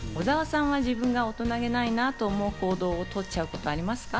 小澤さんは自分が大人げないなと思う行動をとっちゃうことはありますか？